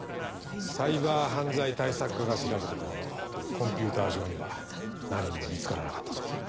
サイバー犯罪対策課が調べたところコンピューター上には何も見つからなかったそうだ。